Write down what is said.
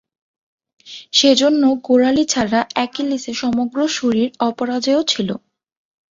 সেজন্য গোড়ালি ছাড়া অ্যাকিলিসের সমগ্র শরীর অপরাজেয় ছিল।